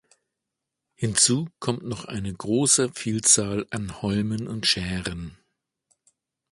Hinzu kommt noch eine große Vielzahl an Holmen und Schären.